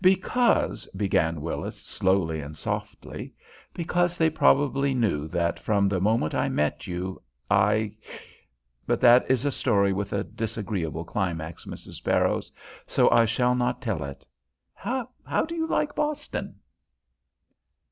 "Because," began Willis, slowly and softly "because they probably knew that from the moment I met you, I But that is a story with a disagreeable climax, Mrs. Barrows, so I shall not tell it. How do you like Boston?"